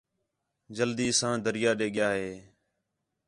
جلدی ساں دریا دے ڳِیا ہِے